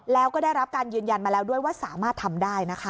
แล้วก็ได้รับการยืนยันมาแล้วด้วยว่าสามารถทำได้นะคะ